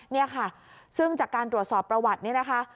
นี่ค่ะซึ่งจากการตรวจสอบประวัตินี้นะคะ